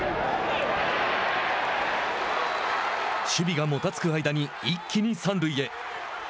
守備がもたつく間に一気に三塁へ。